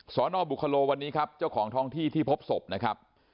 นบุคโลวันนี้ครับเจ้าของท้องที่ที่พบศพนะครับ